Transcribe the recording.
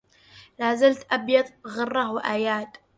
لا زلت أبيض غرة وأياد